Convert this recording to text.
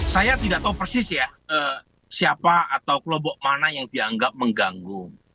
saya tidak tahu persis ya siapa atau kelompok mana yang dianggap mengganggu